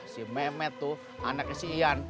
si mehmet tuh anaknya si ian